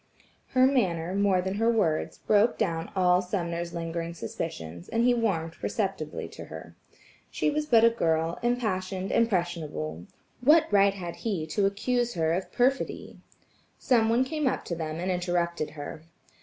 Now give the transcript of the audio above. Her manner more than her words, broke down all Sumner's lingering suspicions, and he warmed perceptibly toward her. She was but a girl, impassioned, impressionable. What right had he to accuse her of perfidy. Some one came up to them and interrupted her.